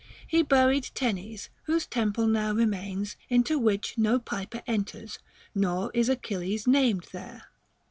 He buried Tenes, whose temple now remains, into which no piper enters, nor is Achilles named there.